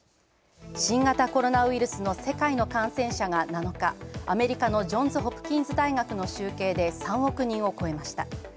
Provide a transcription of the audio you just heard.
新型コロナウイルスの世界の感染者が７日、アメリカのジョンズ・ホプキンズ大学の集計で、３億人を超えました。